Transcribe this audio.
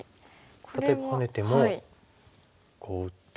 例えばハネてもこう打って。